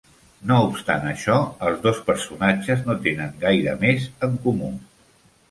No obstant això, els dos personatges no tenen gaire més en comú.